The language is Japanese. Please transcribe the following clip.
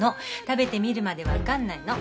食べてみるまで分かんないの。